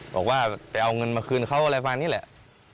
บอกว่าไปเอาเงินมาคืนเขาอะไรประมาณนี้แหละ